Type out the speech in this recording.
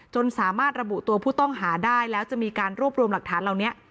สามารถระบุตัวผู้ต้องหาได้แล้วจะมีการรวบรวมหลักฐานเหล่านี้